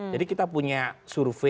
jadi kita punya survei